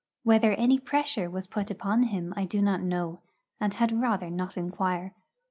Whether any pressure was put upon him I do not know, and had rather not enquire.